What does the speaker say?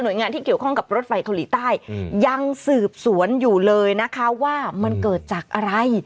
โดยงานที่เกี่ยวข้องกับรถไฟเกาหลีใต้ยังสืบสวนอยู่เลยนะคะว่ามันเกิดจากอะไร